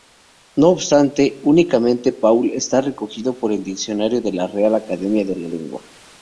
No obstante, únicamente paúl está recogido por el Diccionario de la Real Academia Española.